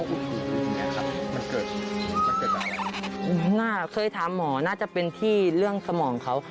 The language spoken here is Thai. อุ้ยน่าจะเคยถามหมอน่าจะเป็นที่เรื่องสมองเขา